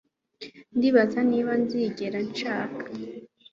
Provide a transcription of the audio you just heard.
ndibaza niba nzigera nshaka